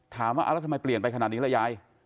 ถามว่าแล้วทำไมเปลี่ยนไปขนาดนี้ล่ะยาย